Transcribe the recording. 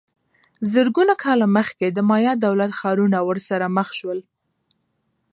زرګونه کاله مخکې د مایا دولت ښارونه ورسره مخ سول